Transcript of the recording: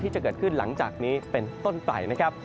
จะเกิดขึ้นหลังจากนี้เป็นต้นไปนะครับ